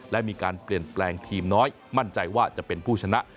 และมีการเปลี่ยนแปลงทีมน้อยมั่นใจว่าจะเป็นผู้ชนะ